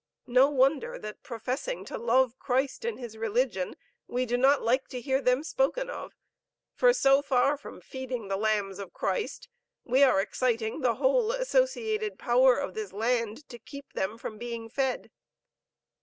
No wonder that professing to love Christ and his religion, we do not like to hear them spoken of; for so far from feeding the lambs of Christ, we are exciting the whole associated power of this land, to keep them from being fed.